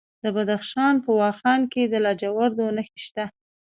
د بدخشان په واخان کې د لاجوردو نښې شته.